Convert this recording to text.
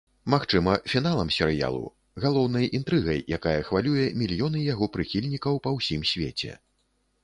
Магчыма, фіналам серыялу, галоўнай інтрыгай, якая хвалюе мільёны яго прыхільнікаў па ўсім свеце.